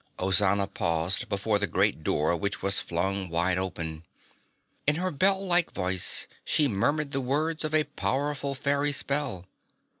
Ozana paused before the great door which was flung wide open. In her bell like voice she murmured the words of a powerful fairy spell.